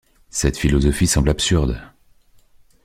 Cette philosophie semble absurde.